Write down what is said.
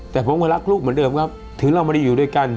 แต่ผมก็รักลูกเหมือนเดิมครับถึงเราไม่ได้อยู่ด้วยกัน